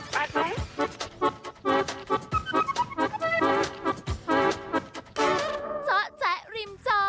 โปรดติดตามตอนต่อไป